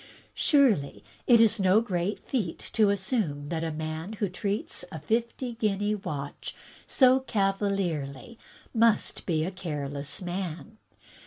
Surely it is no great feat to assume that a man who treats a fifty guinea watch so cavalierly must be a careless man.